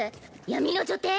闇の女帝？